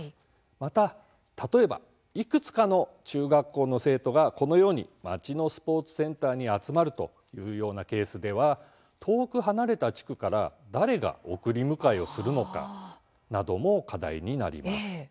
また、例えばいくつかの中学校の生徒がこのように町のスポーツセンターに集まるというケースでは遠く離れた地区から誰が送り迎えをするのかなども課題になります。